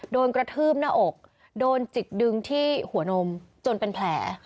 โดนกระทืบหน้าอกโดนจิกดึงที่หัวนมจนเป็นแผล